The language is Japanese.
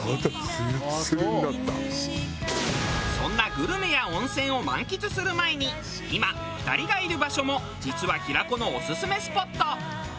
そんなグルメや温泉を満喫する前に今２人がいる場所も実は平子のオススメスポット。